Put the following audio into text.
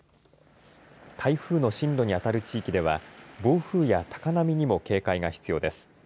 台風の進路にあたる地域では暴風や高波にも警戒が必要です。